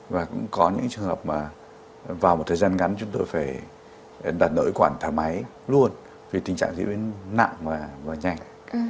và cũng có những trường hợp mà vào một thời gian ngắn chúng tôi phải đặt nội quản thở máy luôn vì tình trạng diễn biến nặng và nhanh